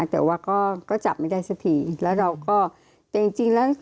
แต่ว่าก็จับไม่ได้สักทีแล้วเราก็แต่จริงจริงแล้ว